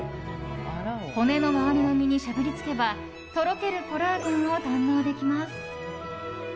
骨の周りの身にしゃぶりつけばとろけるコラーゲンを堪能できます。